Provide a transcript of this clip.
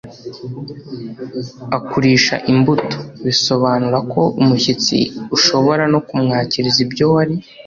akurisha imbuto”. bisobanura ko umushyitsi ushobora no kumwakiriza ibyo wari